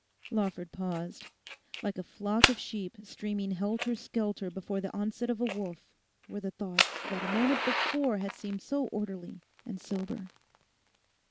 Lawford paused. Like a flock of sheep streaming helter skelter before the onset of a wolf were the thoughts that a moment before had seemed so orderly and sober.